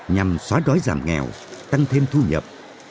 nhằm xóa đói giảm nghèo tăng thêm thu nhập